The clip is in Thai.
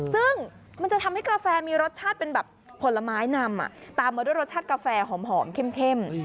ซึ่งมันจะทำให้กาแฟมีรสชาติเป็นแบบผลไม้นำตามมาด้วยรสชาติกาแฟหอมเข้ม